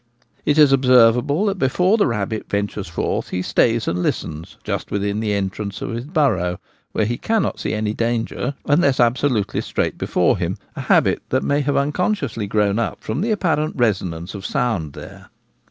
It is observable that before the rabbit ventures forth he stays and listens just within the entrance of his burrow, where he cannot see any danger unless absolutely straight before him — a habit that may have unconsciously grown up from the apparent resonance of sound there.